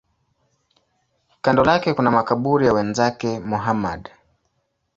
Kando lake kuna makaburi ya wenzake Muhammad.